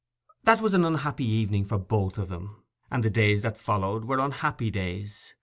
That was an unhappy evening for both of them, and the days that followed were unhappy days.